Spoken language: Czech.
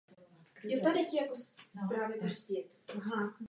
Existuje celá řada knihoven majících různý účel.